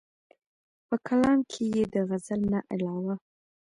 پۀ کلام کښې ئې د غزل نه علاوه